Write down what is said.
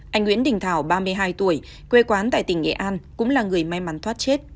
anh nguyễn đình thảo ba mươi hai tuổi quê quán tại tỉnh nghệ an cũng là người may mắn thoát chết